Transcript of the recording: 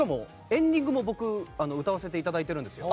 エンディングも僕歌わせていただいているんですよ。